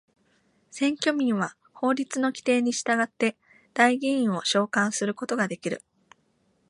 選挙民は法律の規定に従って代議員を召還することができる。